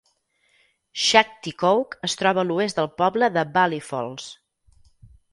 Schaghticoke es troba a l'oest del poble de Valley Falls.